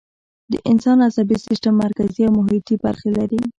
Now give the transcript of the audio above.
د انسان عصبي سیستم مرکزي او محیطی برخې لري